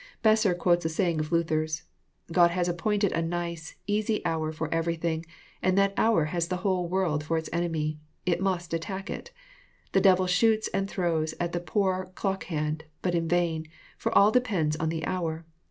Besser quotes a saying of Luther's: <<God has appointed a nice, easy hour, for everything ; and that hour has the whole\ world for its enemy : it must attack it. The devil shoots and '^ throws at the poor clock hand, but in vain : for all depends on the hour.